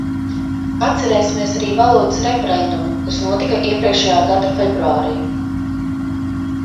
Atcerēsimies arī valodas referendumu, kas notika iepriekšējā gada februārī!